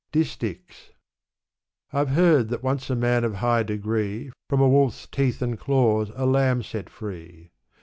Distichs. I've heard that once a man of high degree From a wolfs teeth and claws a lamb set free.